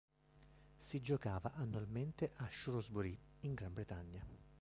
Si giocava annualmente a Shrewsbury in Gran Bretagna.